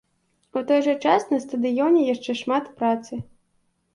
У той жа час, на стадыёне яшчэ шмат працы.